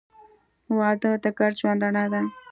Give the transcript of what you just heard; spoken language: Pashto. • واده د ګډ ژوند رڼا ده.